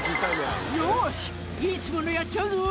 「よしいつものやっちゃうぞ」